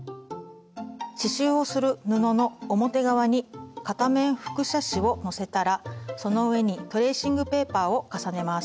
刺しゅうをする布の表側に片面複写紙をのせたらその上にトレーシングペーパーを重ねます。